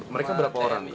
mereka berapa orang